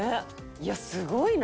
いやすごいな。